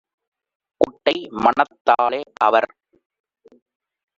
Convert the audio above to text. குட்டை மனத்தாலே - அவர்